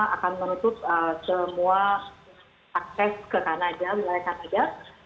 akan menutup semua akses ke kanada wilayah kanada